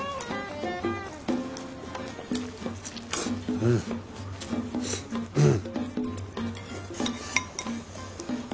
うんうん。